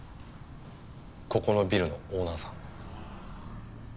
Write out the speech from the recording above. ここのビルのオーナーさん。